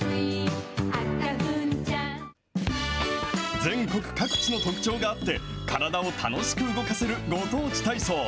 全国各地の特徴があって、体を楽しく動かせるご当地体操。